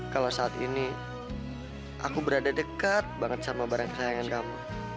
kalau saat ini aku berada dekat banget sama barang kesayangan kamu